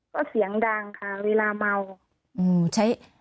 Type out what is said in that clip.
ก็เสียงดังค่ะเวลาเมาใช้